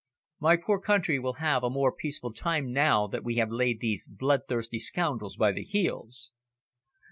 My poor country will have a more peaceful time now that we have laid these bloodthirsty scoundrels by the heels."